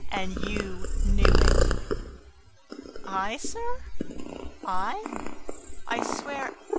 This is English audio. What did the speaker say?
And you knew it!" "I, sir? I? ... I swear